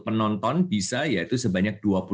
penonton bisa yaitu sebanyak